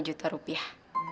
lima juta rupiah